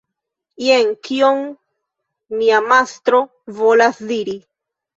Jen kion mia mastro volas diri.